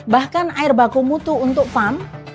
bahkan air baku mutu untuk farm